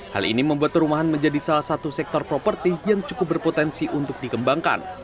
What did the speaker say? hal ini membuat perumahan menjadi salah satu sektor properti yang cukup berpotensi untuk dikembangkan